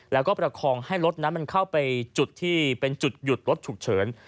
แล้วก็ประคองให้รถนั้นมันเข้าไปจุดที่เป็นจุดหยุดรถฉุกเฉิน